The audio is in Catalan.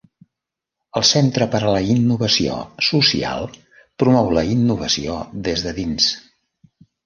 El Centre per a la Innovació Social promou la innovació des de dins.